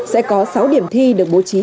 sẽ có sáu điểm thi được bố trí